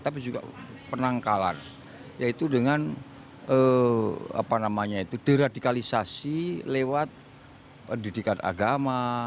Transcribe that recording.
tapi juga penangkalan yaitu dengan deradikalisasi lewat pendidikan agama